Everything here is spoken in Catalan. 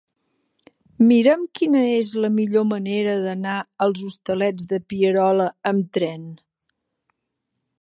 Mira'm quina és la millor manera d'anar als Hostalets de Pierola amb tren.